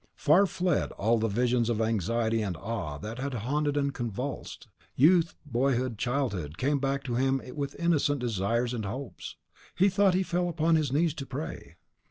Far fled all the visions of anxiety and awe that had haunted and convulsed; youth, boyhood, childhood came back to him with innocent desires and hopes; he thought he fell upon his knees to pray.